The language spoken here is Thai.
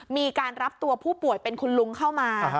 มีการรับตัวผู้ป่วยเป็นคุณลุงเข้ามา